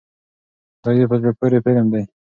دا یو په زړه پورې فلم دی.